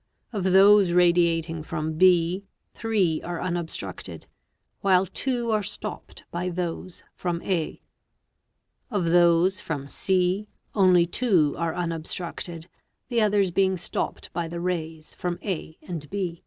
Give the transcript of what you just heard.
Of those radiating from b, three are unobstructed, while two are stopped by those from a; of those from c only two are unobstructed, the others being stopped by the rays from a and b.